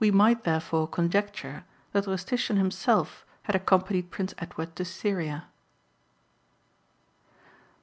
2 6o INTRODUCTION might, therefore, conjecture that Rustician himself had accom panied Prince Edward to Syria.